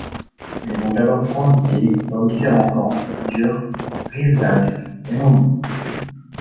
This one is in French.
Ils vont alors transités dans différents camps, Gurs, Rivesaltes et Mont Louis.